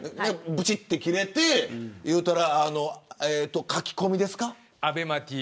ぶちって切れていうたら書き込みですか。